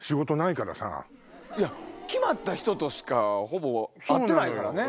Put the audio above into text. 決まった人としかほぼ会ってないからね。